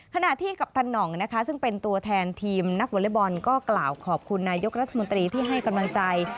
ขณะที่กัปตันหน่องนะคะซึ่งเป็นตัวแทนทีมนักวอเล็กบอลก็กล่าวขอบคุณนายกรัฐมนตรีที่ให้กำลังใจ